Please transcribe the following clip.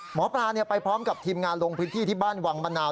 หมอปลาไปพร้อมกับทีมงานลงพื้นที่ที่บ้านวังมะนาว